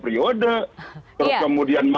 terus kemudian mangkul